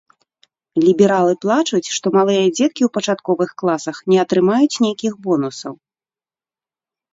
Лібералы плачуць, што малыя дзеткі ў пачатковых класах не атрымаюць нейкіх бонусаў.